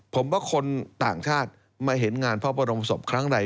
ผมว่าคนต่างชาติมาเห็นงานพระบรมศพครั้งใด